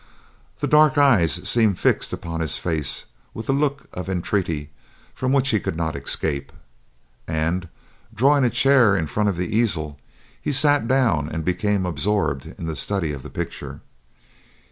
The dark eyes seemed fixed upon his face with a look of entreaty from which he could not escape, and, drawing a chair in front of the easel, he sat down and became absorbed in a study of the picture.